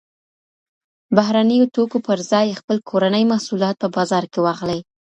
بهرنیو توکو پر ځای خپل کورني محصولات په بازار کي واخلئ.